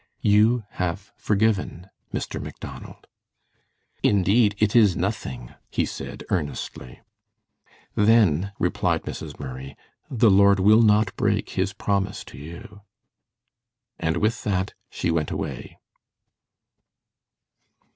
You have forgiven, Mr. Macdonald." "Indeed, it is nothing," he said, earnestly. "Then," replied Mrs. Murray, "the Lord will not break his promise to you." And with that she went away.